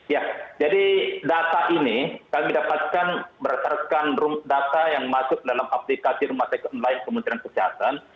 ya jadi data ini kami dapatkan berdasarkan data yang masuk dalam aplikasi rumah sakit online kementerian kesehatan